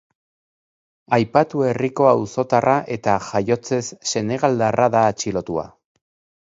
Aipatu herriko auzotarra eta jaiotzez senegaldarra da atxilotua.